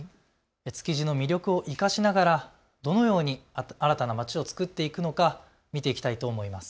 築地の魅力を生かしながらどのように新たなまちをつくっていくのか見ていきたいと思います。